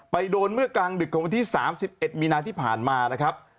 โดนเมื่อกลางดึกของวันที่๓๑มีนาที่ผ่านมานะครับ